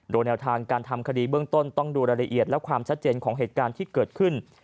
โดยแนวทางการทำคดีเบื้องต้นต้องดูรายละเอียดและความชัดเจนของเหตุการณ์ที่เกิดขึ้น